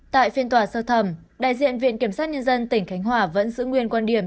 tại phiên tòa sơ thẩm đại diện viện kiểm sát nhân dân tỉnh khánh hòa vẫn giữ nguyên quan điểm